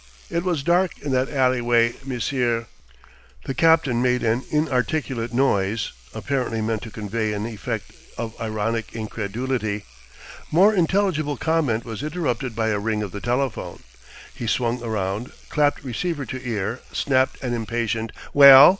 "It was dark in that alleyway, monsieur." The captain made an inarticulate noise, apparently meant to convey an effect of ironic incredulity. More intelligible comment was interrupted by a ring of the telephone. He swung around, clapped receiver to ear, snapped an impatient "Well?"